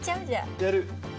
やる。